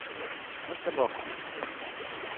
ฉันจะบอกคุณ